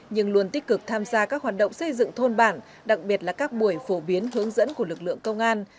nhưng luôn tích cực tham gia các hoạt động xây dựng thôn bản đặc biệt là các buổi phổ biến hướng dẫn của lực lượng công an